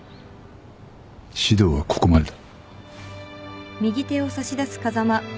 指導はここまでだ。